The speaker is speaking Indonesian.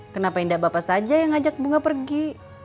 kenapa indah bapak saja yang ngajak bunga pergi